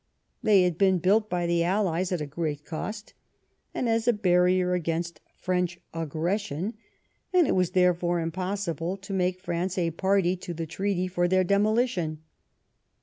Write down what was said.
They had been built by the Allies at a great cost and as a barrier against French aggression, and it was therefore im possible to make France a party to the treaty for their demolition.